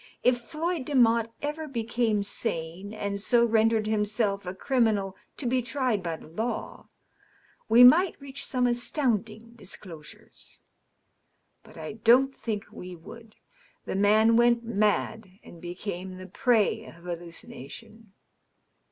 .. If Floyd Demotte ever became sane, and so rendered himself a criminal to be tried by the law, we might reach some astounding disclosures. But I don't think we would. The man went mad, and became the prey of hallucination.